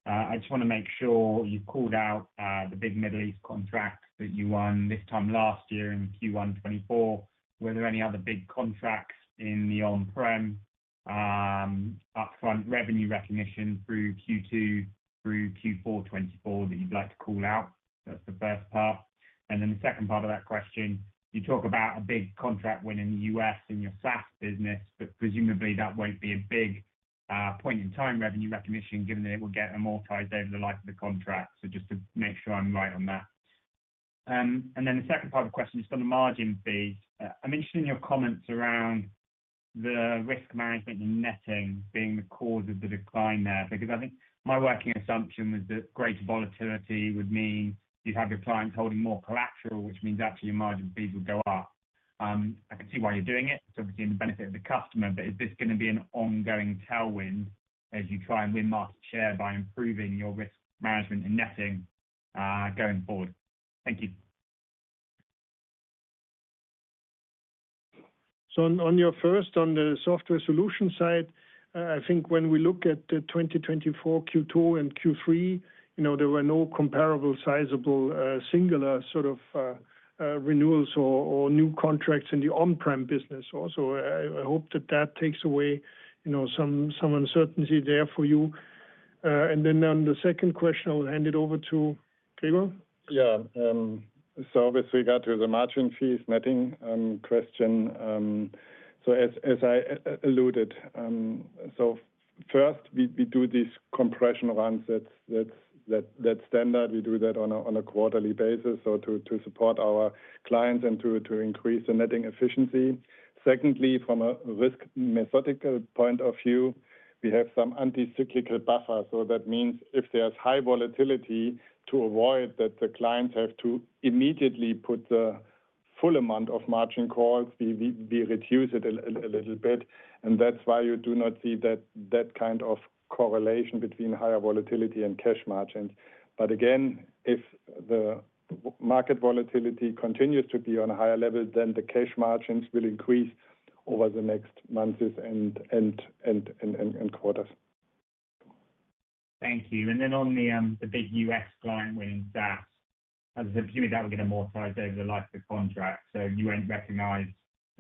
I just want to make sure you have called out the big Middle East contract that you won this time last year in Q1 2024. Were there any other big contracts in the on-prem upfront revenue recognition through Q2 through Q4 2024 that you'd like to call out? That's the first part. The second part of that question, you talk about a big contract win in the US in your SaaS business, but presumably that won't be a big point-in-time revenue recognition given that it will get amortized over the life of the contract. Just to make sure I'm right on that. The second part of the question is from the margin fees. I'm interested in your comments around the risk management and netting being the cause of the decline there because I think my working assumption was that greater volatility would mean you'd have your clients holding more collateral, which means actually your margin fees would go up. I can see why you're doing it. It's obviously in the benefit of the customer, but is this going to be an ongoing tailwind as you try and win market share by improving your risk management and netting going forward? Thank you. On your first, on the Software Solution side, I think when we look at the 2024 Q2 and Q3, there were no comparable sizable singular sort of renewals or new contracts in the on-prem business. Also, I hope that that takes away some uncertainty there for you. On the second question, I will hand it over to Gregor. Yeah. We got to the margin fees netting question. As I alluded, first, we do these compression runs. That's standard. We do that on a quarterly basis to support our clients and to increase the netting efficiency. Secondly, from a risk methodical point of view, we have some anti-cyclical buffer. That means if there is high volatility, to avoid that the clients have to immediately put the full amount of margin calls, we reduce it a little bit. That is why you do not see that kind of correlation between higher volatility and cash margins. Again, if the market volatility continues to be on a higher level, then the cash margins will increase over the next months and quarters. Thank you. On the big US client winning SaaS, I presume that would get amortized over the life of the contract. You will not recognize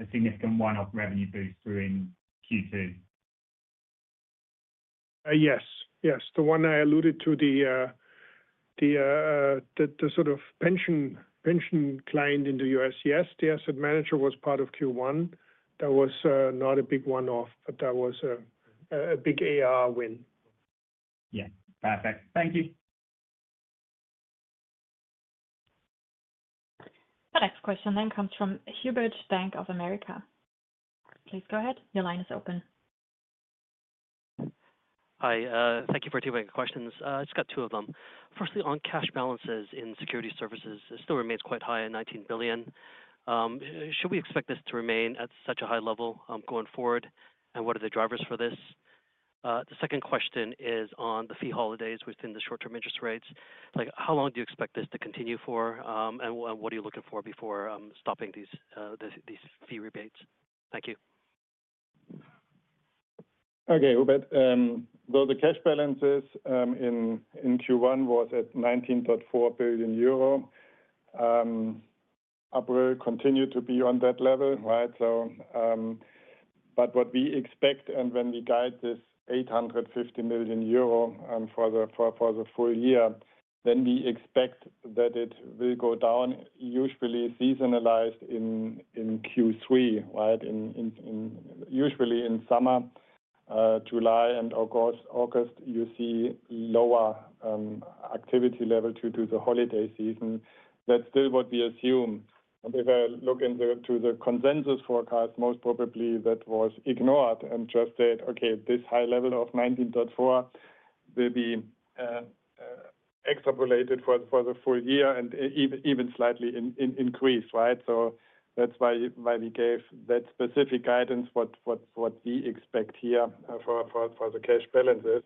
a significant one-off revenue boost through in Q2? Yes. Yes. The one I alluded to, the sort of pension client in the US, yes, the asset manager was part of Q1. That was not a big one-off, but that was a big ARR win. Yeah. Perfect. Thank you. The next question then comes from Hubert, Bank of America. Please go ahead. Your line is open. Hi. Thank you for two questions. I just got two of them. Firstly, on cash balances in Securities Services, it still remains quite high at 19 billion. Should we expect this to remain at such a high level going forward? What are the drivers for this? The second question is on the fee holidays within the short-term interest rates. How long do you expect this to continue for? What are you looking for before stopping these fee rebates? Thank you. Okay. The cash balances in Q1 was at 19.4 billion euro. Upward continue to be on that level, right? What we expect, and when we guide this 850 million euro for the full year, then we expect that it will go down, usually seasonalized in Q3, right? Usually in summer, July and August, you see lower activity level due to the holiday season. That is still what we assume. If I look into the consensus forecast, most probably that was ignored and just said, okay, this high level of $19.4 will be extrapolated for the full year and even slightly increased, right? That is why we gave that specific guidance, what we expect here for the cash balances.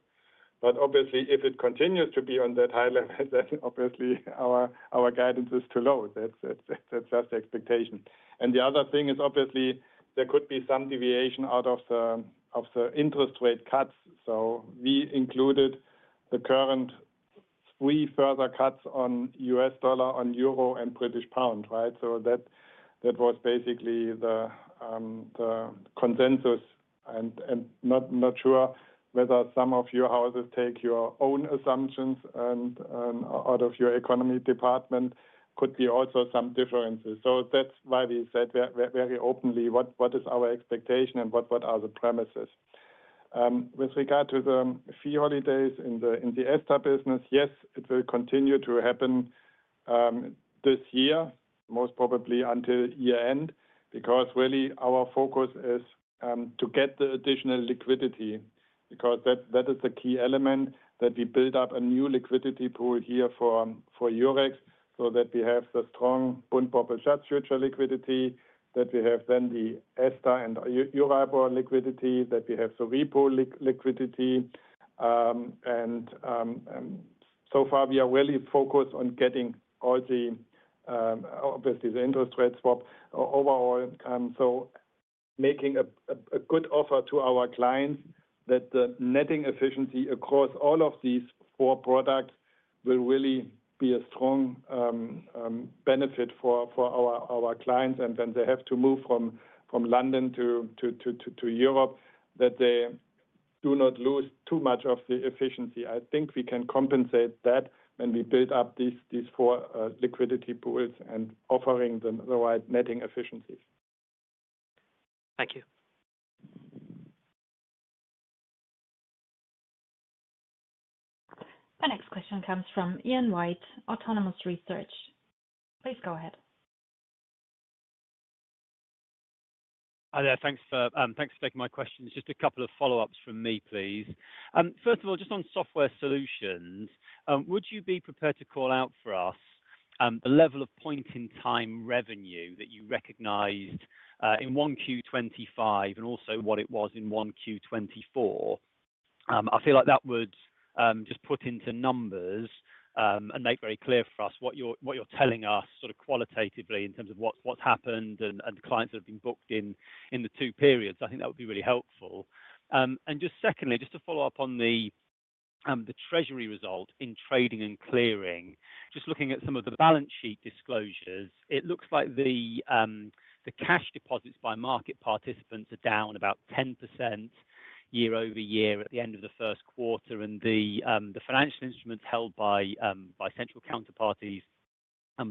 Obviously, if it continues to be on that high level, then obviously our guidance is too low. That is just the expectation. The other thing is obviously there could be some deviation out of the interest rate cuts. We included the current three further cuts on US dollar, on euro, and British pound, right? That was basically the consensus. I'm not sure whether some of your houses take your own assumptions out of your economy department. Could be also some differences. That is why we said very openly what is our expectation and what are the premises. With regard to the fee holidays in the ESTR business, yes, it will continue to happen this year, most probably until year-end, because really our focus is to get the additional liquidity because that is the key element that we build up a new liquidity pool here for Eurex so that we have the strong Bund, Bobl, Schatz futures liquidity, that we have then the ESTR and Euribor liquidity, that we have the repo liquidity. So far, we are really focused on getting all the, obviously, the interest rate swap overall. Making a good offer to our clients that the netting efficiency across all of these four products will really be a strong benefit for our clients. When they have to move from London to Europe, that they do not lose too much of the efficiency. I think we can compensate that when we build up these four liquidity pools and offering the right netting efficiencies. Thank you. The next question comes from Ian White, Autonomous Research. Please go ahead. Thanks for taking my questions. Just a couple of follow-ups from me, please. First of all, just on Software Solutions, would you be prepared to call out for us the level of point-in-time revenue that you recognized in Q1 2025 and also what it was in one Q1 2024? I feel like that would just put into numbers and make very clear for us what you're telling us sort of qualitatively in terms of what's happened and the clients that have been booked in the two periods. I think that would be really helpful. Just secondly, to follow up on the treasury result in Trading & Clearing, just looking at some of the balance sheet disclosures, it looks like the cash deposits by market participants are down about 10% year-over-year at the end of the Q1. The financial instruments held by central counterparties,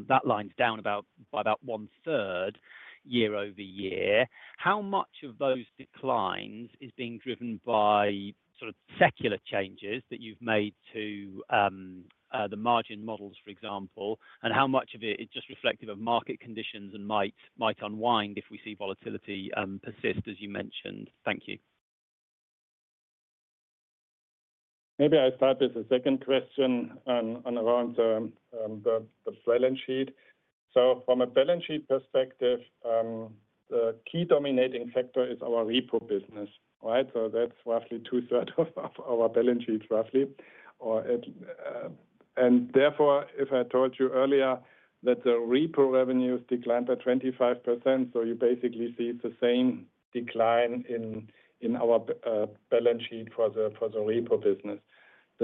that line is down by about one-third year-over-year. How much of those declines is being driven by sort of secular changes that you've made to the margin models, for example? How much of it is just reflective of market conditions and might unwind if we see volatility persist, as you mentioned? Thank you. Maybe I'll start with the second question on around the balance sheet. From a balance sheet perspective, the key dominating factor is our repo business, right? That's roughly two-thirds of our balance sheet, roughly. Therefore, if I told you earlier that the repo revenues declined by 25%, you basically see the same decline in our balance sheet for the repo business.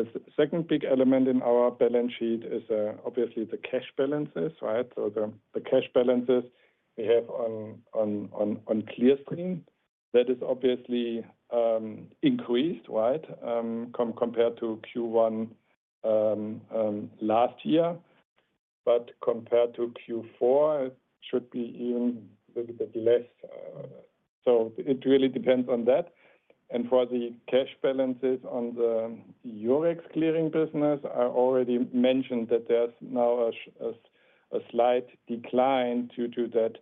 The second big element in our balance sheet is obviously the cash balances, right? The cash balances we have on Clearstream, that is obviously increased, right, compared to Q1 last year. Compared to Q4, it should be even a little bit less. It really depends on that. For the cash balances on the Eurex clearing business, I already mentioned that there's now a slight decline due to that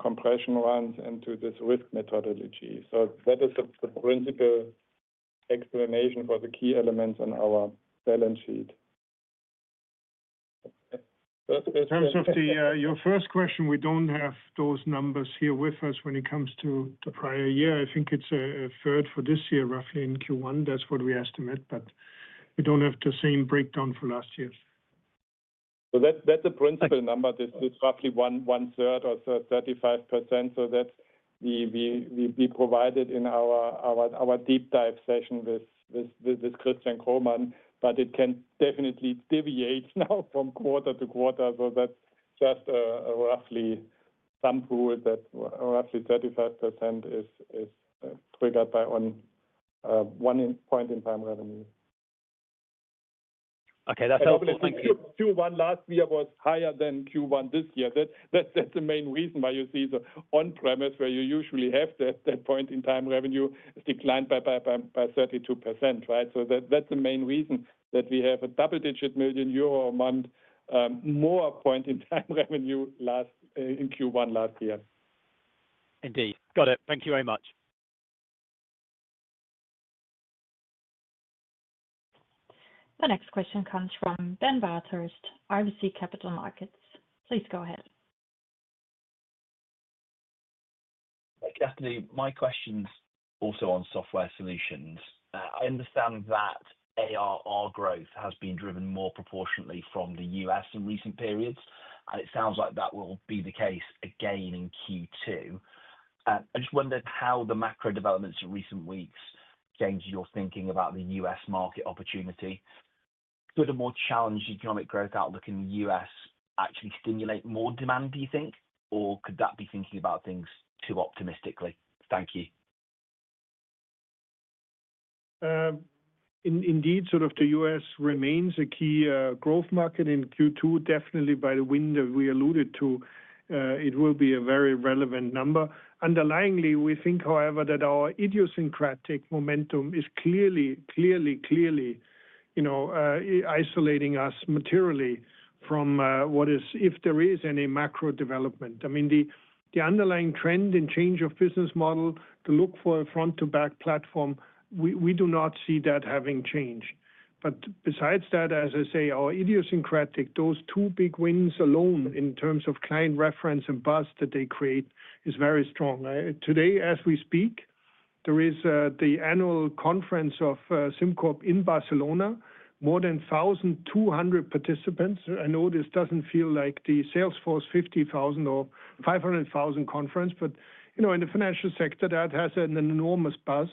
compression runs and to this risk methodology. That is the principal explanation for the key elements on our balance sheet. In terms of your first question, we do not have those numbers here with us when it comes to the prior year. I think it is a third for this year, roughly in Q1. That is what we estimate, but we do not have the same breakdown for last year. That is a principal number. This is roughly one-third or 35%. That we provided in our deep dive session with Christian Kromann, but it can definitely deviate now from quarter-to-quarter. That is just roughly some pool that roughly 35% is triggered by one point-in-time revenue. Okay. That is helpful. Q1 last year was higher than Q1 this year. That is the main reason why you see the on-premise where you usually have that point-in-time revenue has declined by 32%, right? That's the main reason that we have a double-digit million EUR a month more point-in-time revenue in Q1 last year. Indeed. Got it. Thank you very much. The next question comes from Ben Bathurst, RBC Capital Markets. Please go ahead. My question's also on software solutions. I understand that ARR growth has been driven more proportionately from the US in recent periods. And it sounds like that will be the case again in Q2. I just wondered how the macro developments in recent weeks changed your thinking about the US market opportunity. Could a more challenged economic growth outlook in the US actually stimulate more demand, do you think? Or could that be thinking about things too optimistically? Thank you. Indeed, sort of the US remains a key growth market in Q2. Definitely, by the wind that we alluded to, it will be a very relevant number. Underlyingly, we think, however, that our idiosyncratic momentum is clearly, clearly, clearly isolating us materially from what is, if there is any macro development. I mean, the underlying trend and change of business model to look for a front-to-back platform, we do not see that having changed. Besides that, as I say, our idiosyncratic, those two big wins alone in terms of client reference and buzz that they create is very strong. Today, as we speak, there is the annual conference of SimCorp in Barcelona, more than 1,200 participants. I know this does not feel like the Salesforce 50,000 or 500,000 conference, but in the financial sector, that has an enormous buzz.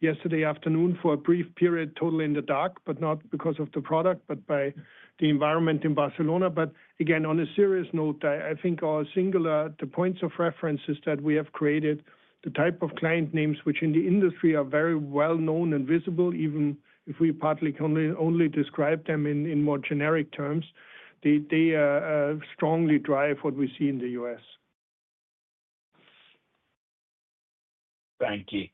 Yesterday afternoon for a brief period, totally in the dark, but not because of the product, but by the environment in Barcelona. Again, on a serious note, I think the points of reference is that we have created the type of client names which in the industry are very well known and visible, even if we partly only describe them in more generic terms. They strongly drive what we see in the US. Thank you.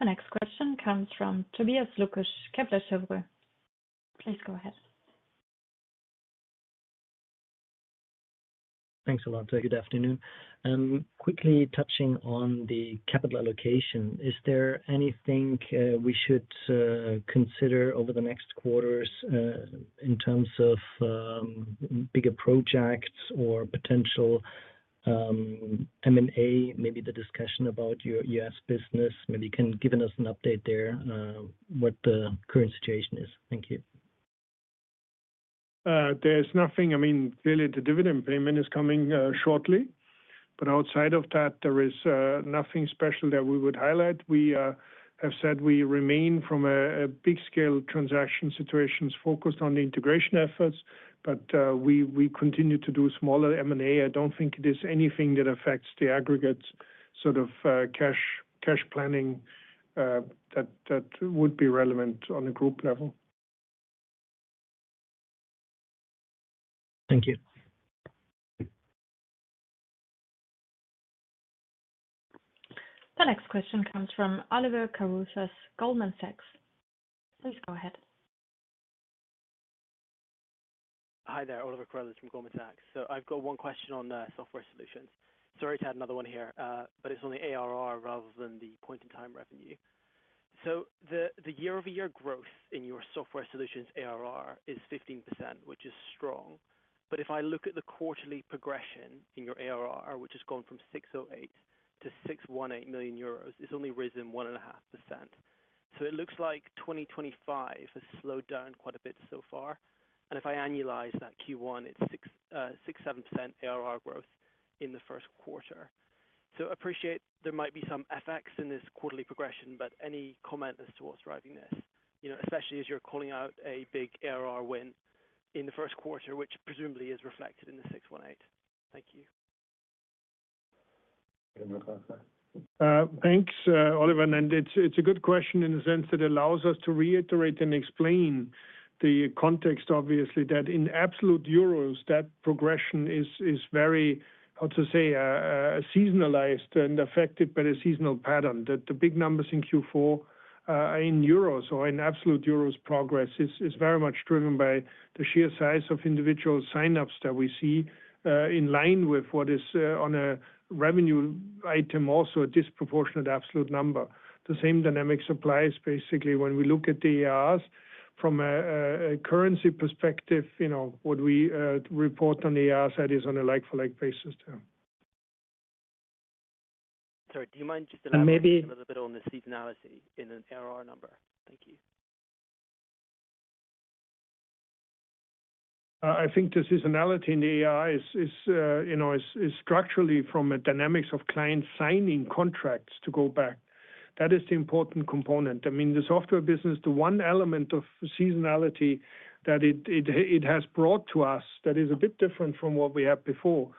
The next question comes from Tobias Lukesch, Kepler Cheuvreux. Please go ahead. Thanks a lot. Good afternoon. Quickly touching on the capital allocation, is there anything we should consider over the next quarters in terms of bigger projects or potential M&A, maybe the discussion about your US business? Maybe you can give us an update there what the current situation is. Thank you. There's nothing. I mean, clearly, the dividend payment is coming shortly. Outside of that, there is nothing special that we would highlight. We have said we remain from a big-scale transaction situations focused on the integration efforts, but we continue to do smaller M&A. I do not think it is anything that affects the aggregate sort of cash planning that would be relevant on a group level. Thank you. The next question comes from Oliver Carruthers, Goldman Sachs. Please go ahead. Hi there. Oliver Carruthers from Goldman Sachs. I have got one question on software solutions. Sorry to add another one here, but it is on the ARR rather than the point-in-time revenue. The year-over-year growth in your software solutions ARR is 15%, which is strong. If I look at the quarterly progression in your ARR, which has gone from 608 million to 618 million euros, it has only risen 1.5%. It looks like 2025 has slowed down quite a bit so far. If I annualize that Q1, it's 67% ARR growth in the Q1. I appreciate there might be some effects in this quarterly progression, but any comment as to what's driving this, especially as you're calling out a big ARR win in the Q1, which presumably is reflected in the 618. Thank you. Thanks, Oliver. It's a good question in the sense that it allows us to reiterate and explain the context, obviously, that in absolute euros, that progression is very, how to say, seasonalized and affected by the seasonal pattern. The big numbers in Q4 in euros or in absolute euros progress is very much driven by the sheer size of individual sign-ups that we see in line with what is on a revenue item also a disproportionate absolute number. The same dynamic applies basically when we look at the ARR from a currency perspective, what we report on the ARR side is on a like-for-like basis there. Sorry, do you mind just elaborating a little bit on the seasonality in an ARR number? Thank you. I think the seasonality in the ARR is structurally from a dynamics of clients signing contracts to go back. That is the important component. I mean, the software business, the one element of seasonality that it has brought to us that is a bit different from what we had before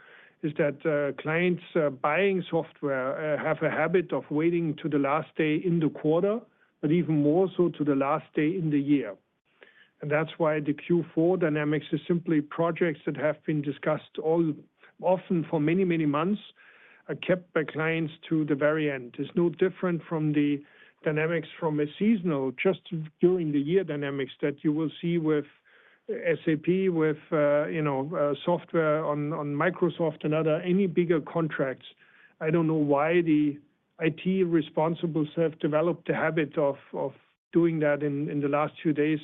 is that clients buying software have a habit of waiting to the last day in the quarter, but even more so to the last day in the year. That is why the Q4 dynamics is simply projects that have been discussed often for many, many months, kept by clients to the very end. It's no different from the dynamics from a seasonal, just during the year dynamics that you will see with SAP, with software on Microsoft and other any bigger contracts. I don't know why the IT responsibles have developed the habit of doing that in the last few days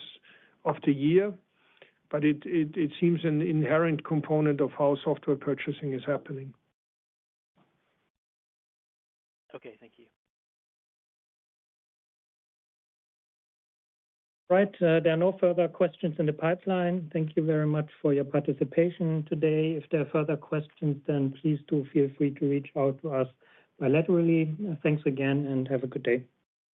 of the year, but it seems an inherent component of how software purchasing is happening. Okay. Thank you. Right. There are no further questions in the pipeline. Thank you very much for your participation today. If there are further questions, then please do feel free to reach out to us bilaterally. Thanks again and have a good day.